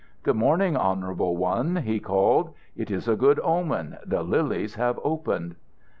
"Good morning, Honourable One," he called. "It is a good omen. The lilies have opened."